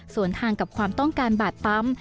ส่วนทางกับความต้องการบาดปั๊ม